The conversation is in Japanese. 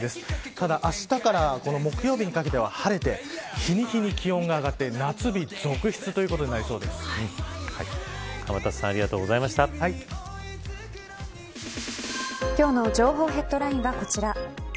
ただ、あしたから木曜日にかけては晴れて日に日に気温が上がって夏日続出ということに天達さん今日の情報ヘッドラインはこちら。